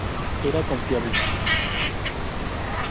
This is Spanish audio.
Era confortable.